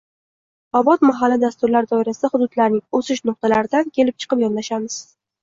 “Obod mahalla” dasturlari doirasida hududlarning “o‘sish nuqtalari”dan kelib chiqib yondoshamiz.